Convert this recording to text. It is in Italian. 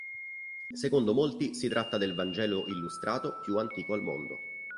Secondo molti si tratta del Vangelo illustrato più antico al Mondo.